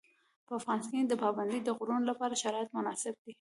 په افغانستان کې د پابندي غرونو لپاره شرایط مناسب دي.